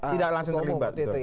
tidak langsung terlibat